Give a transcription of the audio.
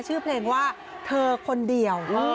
ชื่อเพลงว่าเธอคนเดียว